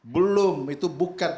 belum itu bukan